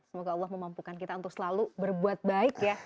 semoga allah memampukan kita untuk selalu berbuat baik ya